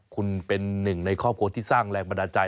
คุณเป็นหนึ่งในครอบครัวที่สร้างแรงบันดาลใจ